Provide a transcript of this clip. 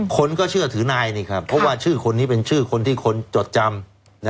คนก็เชื่อถือนายนี่ครับเพราะว่าชื่อคนนี้เป็นชื่อคนที่คนจดจำ